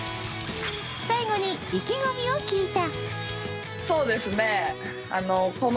最後に意気込みを聞いた。